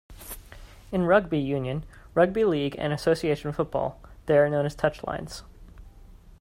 In rugby union, rugby league and association football, they are known as touch-lines.